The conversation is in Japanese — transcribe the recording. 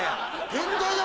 ⁉変態だ！